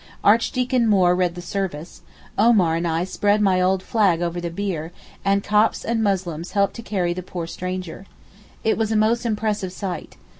Archdeacon Moore read the service; Omar and I spread my old flag over the bier, and Copts and Muslims helped to carry the poor stranger. It was a most impressive sight.